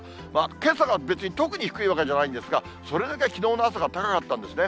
けさが別に特に低いわけじゃないんですが、それだけきのうの朝が高かったんですね。